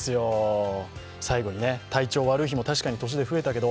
最後に体調悪い日も確かに年で増えたけど